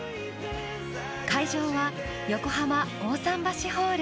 会場は横浜・大さん橋ホール。